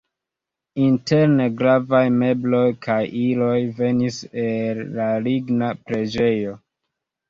Interne gravaj mebloj kaj iloj venis el la ligna preĝejo.